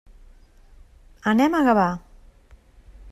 Anem a Gavà.